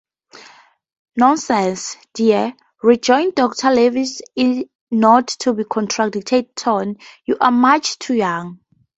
"Nonsense, dear," rejoined Doctor Leavis in not-to-be-contradicted tones; "you're much too young!